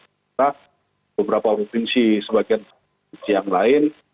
kita beberapa provinsi sebagian dari yang lain